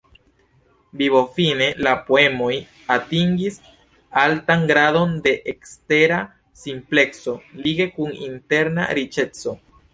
Vivofine, la poemoj atingis altan gradon de ekstera simpleco lige kun interna riĉeco.